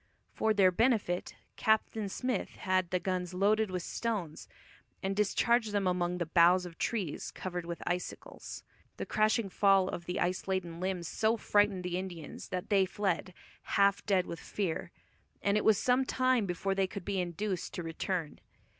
For their benefit, Captain Smith had the guns loaded with stones, and discharged among the boughs of trees covered with icicles. The crashing fall of the ice laden limbs so frightened the Indians that they fled, "half dead with fear," and it was some time before they could be induced to return.